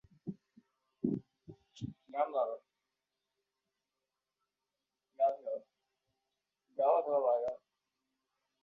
এই অঞ্চলের বৃহত্তম শহর হ'ল ব্রাইটন ও হভ।